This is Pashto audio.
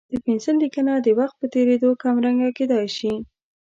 د پنسل لیکنه د وخت په تېرېدو کمرنګه کېدای شي.